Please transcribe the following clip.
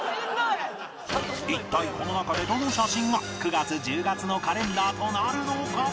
一体この中でどの写真が９月１０月のカレンダーとなるのか？